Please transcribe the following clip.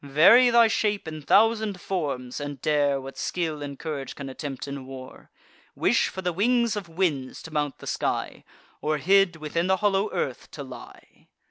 Vary thy shape in thousand forms, and dare What skill and courage can attempt in war; Wish for the wings of winds, to mount the sky; Or hid, within the hollow earth to lie!"